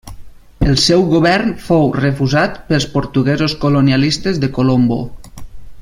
El seu govern fou refusat pels portuguesos colonialistes de Colombo.